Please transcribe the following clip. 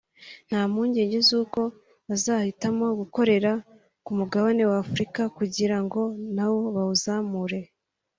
nta mpungenge z’uko bazahitamo gukorera ku mugabane wa Afurika kugira ngo nawo bawuzamure